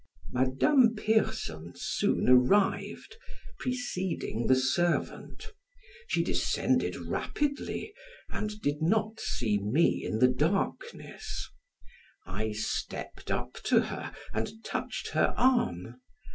Madame Pierson soon arrived, preceding the servant; she descended rapidly, and did not see me in the darkness; I stepped up to her and touched her arm.